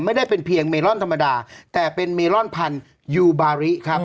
ไม่ได้เป็นเพียงเมลอนธรรมดาแต่เป็นเมลอนพันธุ์ยูบาริครับ